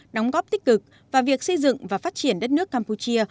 đóng góp tích cực vào việc xây dựng và phát triển đất nước campuchia